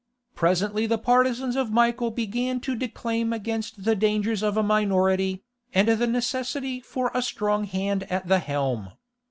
Presently the partisans of Michael began to declaim against the dangers of a minority, and the necessity for a strong hand at the helm.